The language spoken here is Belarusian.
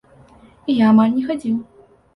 І я амаль не хадзіў.